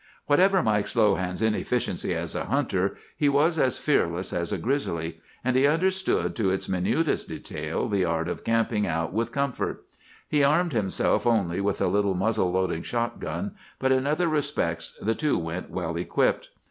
"Whatever Mike Slohan's inefficiency as a hunter, he was as fearless as a grizzly, and he understood to its minutest detail the art of camping out with comfort. He armed himself only with a little muzzle loading shotgun, but in other respects the two went well equipped.